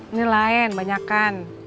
ini lain banyakan